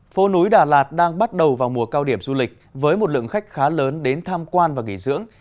phố núi đà lạt đang bắt đầu vào mùa cao điểm du lịch với một lượng khách khá lớn đến tham quan và nghỉ dưỡng